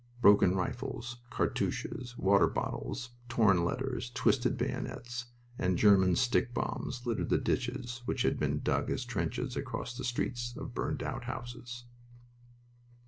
Broken rifles, cartouches, water bottles, torn letters, twisted bayonets, and German stick bombs littered the ditches which had been dug as trenches across streets of burned out houses.